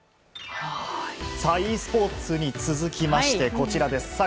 さあｅスポーツに続きましてこちらです。